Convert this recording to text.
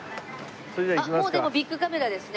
あっもうでもビックカメラですね